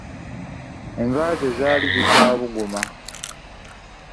Enva ze zaali zikyabuguma.